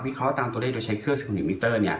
เพราะว่าตามตัวเลขโดยใช้เครื่อง๑๖มิตเตอร์